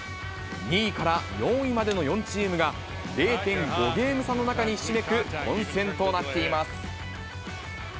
２位から４位までの４チームが、０．５ゲーム差の中にひしめく混戦となっています。